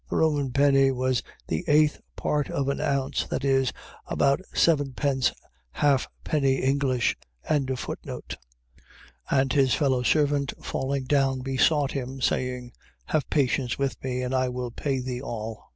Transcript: . .The Roman penny was the eighth part of an ounce, that is, about sevenpence half penny English. 18:29. And his fellow servant falling down, besought him, saying: Have patience with me, and I will pay thee all.